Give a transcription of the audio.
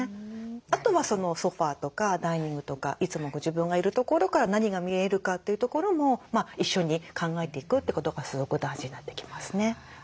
あとはソファーとかダイニングとかいつもご自分がいる所から何が見えるかというところも一緒に考えていくということがすごく大事になってきますね。